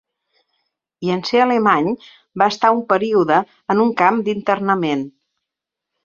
I en ser alemany, va estar un període en un camp d'internament.